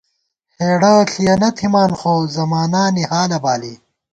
ہېڑہ ݪِیَنہ تھِمان خو زمانانی حالہ بالی